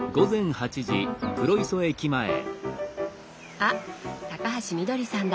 あ高橋みどりさんだ。